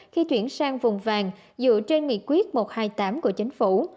khi chuyển sang vùng vàng dựa trên nghị quyết một trăm hai mươi tám của chính phủ